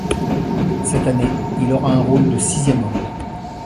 Cette année il aura un rôle de sixième homme.